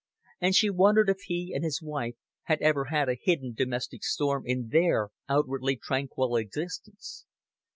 And she wondered if he and his wife had ever had a hidden domestic storm in their outwardly tranquil existence.